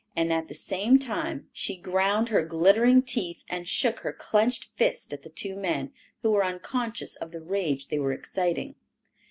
And at the same time she ground her glittering teeth and shook her clenched fist at the two men, who were unconscious of the rage they were exciting.